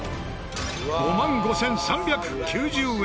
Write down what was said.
５万５３９０円！